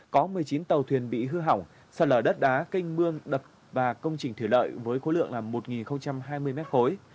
có một mươi chín tàu thuyền bị hư hỏng sạt lở đất đá kênh mương đập và công trình thủy lợi với khối lượng là một hai mươi mét khối